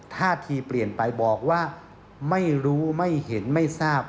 ท่าทีเปลี่ยนไปบอกว่าไม่รู้ไม่เห็นไม่ทราบ